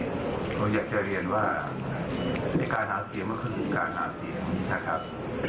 ผมอยากจะเรียนว่าในการหาเสียงก็คือการหาเสียงนะครับ